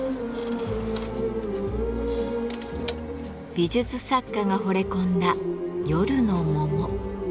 美術作家がほれ込んだ夜の桃。